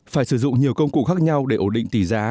phải sử dụng nhiều công cụ khác nhau để ổn định tỷ giá